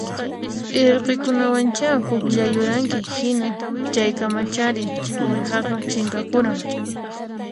Irqikunawancha pukllayuranki hina chaykamachari uwihaqa chinkakuran